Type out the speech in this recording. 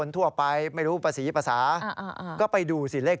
ยอมรับว่าการตรวจสอบเพียงเลขอยไม่สามารถทราบได้ว่าเป็นผลิตภัณฑ์ปลอม